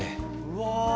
うわ。